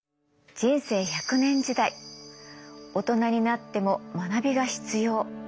人生１００年時代大人になっても学びが必要。